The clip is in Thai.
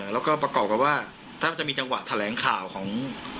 แล้วก็ประกอบกับว่าถ้ามันจะมีจังหวะแถลงข่าวของ